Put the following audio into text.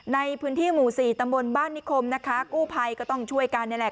ในพื้นที่หมู่สี่ตำบลบ้านนิคมนะคะกู้ภัยก็ต้องช่วยกันนี่แหละ